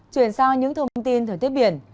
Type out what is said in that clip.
chuyển sang những thông tin thời tiết biển